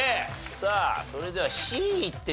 さあそれではＣいってみましょう。